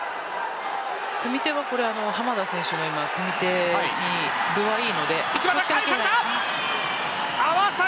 組み手は濱田選手の組み手に分はいいです。